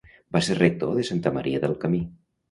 Va ser rector de Santa Maria del Camí.